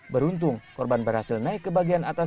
beruntung korban berhasil naik ke bagian atas